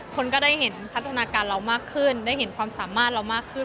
คนก็ได้เห็นพัฒนาการเรามากขึ้นได้เห็นความสามารถเรามากขึ้น